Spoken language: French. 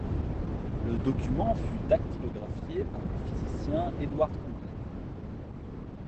Le document fut dactylographié par le physicien Edward Condon.